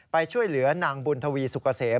ไปช่วยเหลือนางบุญทวีสุกเกษม